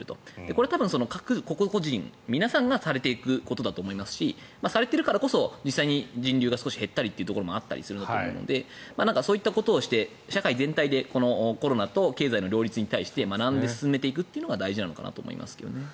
それは各個々人で皆さんがされていくことだと思いますしされているからこそ実際に人流が少し減ったりというところもあったりすると思うのでそういったことをして社会全体でこのコロナと経済の両立に対して学んで進めていくことが大事だと思いますが。